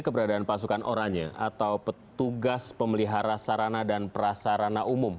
keberadaan pasukan oranye atau petugas pemelihara sarana dan prasarana umum